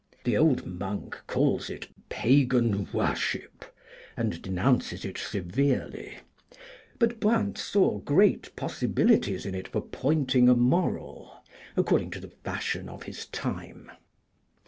The old monk calls it "pagan worship," and denounces it severely; but Brandt saw great possibilities in it for pointing a moral, according to the fashion of his time.